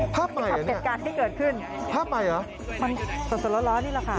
ภาพใหม่เหรอนี่ภาพใหม่เหรอมันสดแล้วนี่แหละค่ะ